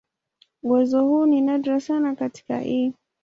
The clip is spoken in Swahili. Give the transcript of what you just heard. Uwezo huu ni nadra sana katika "E.